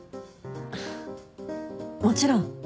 もちろん。